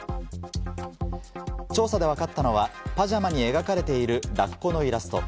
調査で分かったのは、パジャマに描かれているラッコのイラスト。